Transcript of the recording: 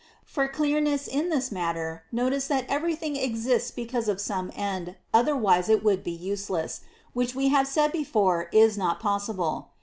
For clearness in this matter, notice that everyj:hing^ exists because of some end, otherwise it would be useless, which we have said before is not possible."